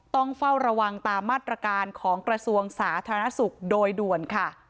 ต้องเฝ้าระวังตามมาตรการของกระทรวงสาธารณสุขโดยด่วนค่ะ